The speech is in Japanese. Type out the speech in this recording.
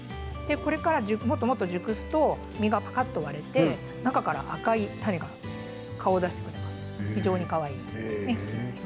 これからもっともっと熟すと実がパカっと割れて中から赤い種が顔を出してくれて非常にかわいいです。